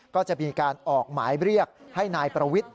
ก็จะมีการออกหมายเรียกให้นายประวิทธิ